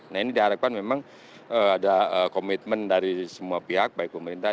nah ini diharapkan memang ada commitment dari semua pemerintah